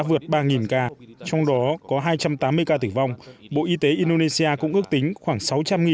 vượt ba ca trong đó có hai trăm tám mươi ca tử vong bộ y tế indonesia cũng ước tính khoảng sáu trăm linh